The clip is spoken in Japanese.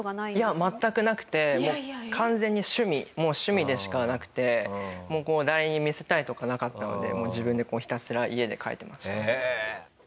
全くなくてもう完全に趣味もう趣味でしかなくて誰に見せたいとかなかったので自分でひたすら家で描いてました。